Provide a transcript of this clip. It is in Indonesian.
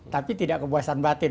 tapi tidak kepuasan batin